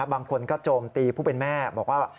บางคนก็โจมตีผู้เป็นแม่บอกว่า